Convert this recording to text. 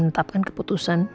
dan menetapkan keputusan